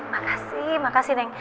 makasih makasih neng